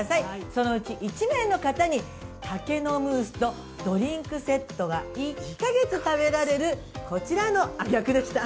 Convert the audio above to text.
そのうち、１名の方に、竹ノムースと、ドリンクセットが、１か月食べられる、こちらの、逆でした。